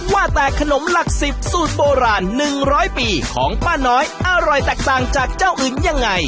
ว่าแต่ขนมหลัก๑๐สูตรโบราณ๑๐๐ปีของป้าน้อยอร่อยแตกต่างจากเจ้าอื่นยังไง